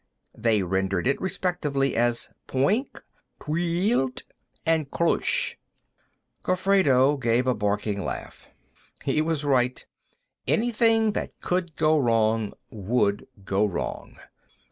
They rendered it, respectively, as "Pwink," "Tweelt" and "Kroosh." Gofredo gave a barking laugh. He was right; anything that could go wrong would go wrong.